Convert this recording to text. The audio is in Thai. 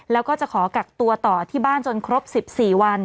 แล้วก็จะขอกักตัวต่อที่บ้านจนครบ๑๔วัน